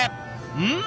うん！